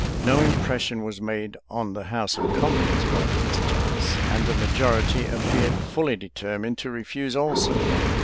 No impression was made on the house of commons by these topics; and the majority appeared fully determined to refuse all supply.